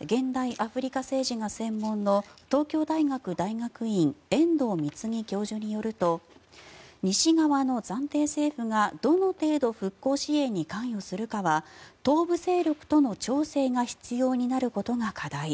現代アフリカ政治が専門の東京大学大学院遠藤貢教授によると西側の暫定政府が、どの程度復興支援に関与するかは東部勢力との調整が必要になることが課題。